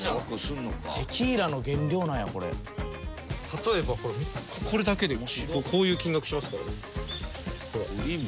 例えばこれだけでこういう金額しますからね。